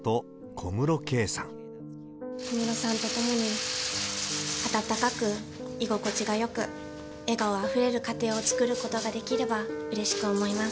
小室さんと共に、温かく、居心地がよく、笑顔あふれる家庭を作ることができればうれしく思います。